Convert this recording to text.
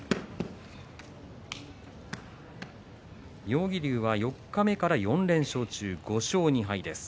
妙義龍は四日目から４連勝中です。